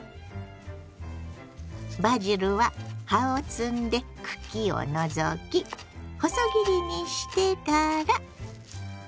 バジルは葉を摘んで茎を除き細切りにしてから。